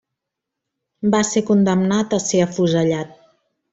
Va ser condemnat a ser afusellat.